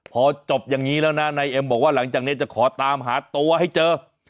พอจบอย่างนี้แล้วนะนายเอ็มบอกว่าหลังจากนี้จะขอตามหาตัวให้เจอ